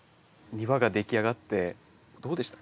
庭が出来上がってどうでしたか？